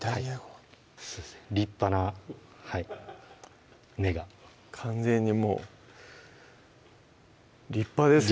立派なはい芽が完全にもう立派ですよね